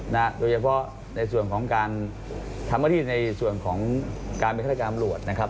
นะครับโดยเฉพาะในส่วนของการทำหน้าที่ในส่วนของการบริษัทการอำรวจนะครับ